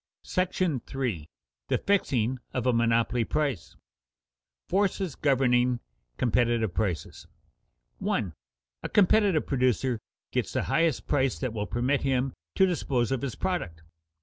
§ III. THE FIXING OF A MONOPOLY PRICE [Sidenote: Forces governing competitive prices] 1. _A competitive producer gets the highest price that will permit him to dispose of his product.